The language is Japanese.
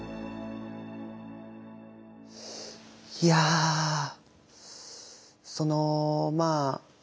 いやそのまあ